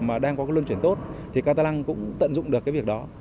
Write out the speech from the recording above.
mà đang có lưu truyền tốt thì catalan cũng tận dụng được việc đó